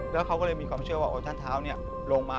และเขาก็เลยมีความเชื่อโทษท่านเท้าโรงมะ